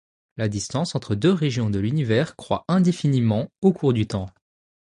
La distance entre deux régions de l'univers croît indéfiniment au cours du temps.